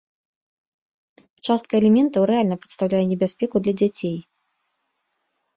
Частка элементаў рэальна прадстаўляе небяспеку для дзяцей.